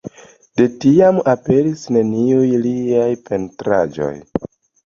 De tiam aperis neniuj liaj pentraĵoj.